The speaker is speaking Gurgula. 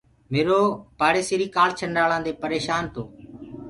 ميرو پآڙيسري ڪآنڇنڊݪآنٚ دي پريشآن تو۔